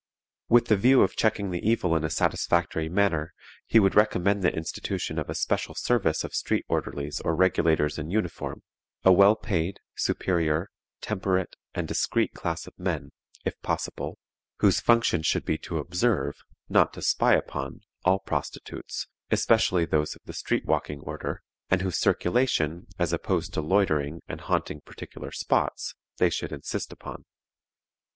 With the view of checking the evil in a satisfactory manner, he would recommend the institution of a special service of street orderlies or regulators in uniform, a well paid, superior, temperate, and discreet class of men, if possible, whose functions should be to observe, not to spy upon all prostitutes, especially those of the street walking order, and whose circulation, as opposed to loitering and haunting particular spots, they should insist upon.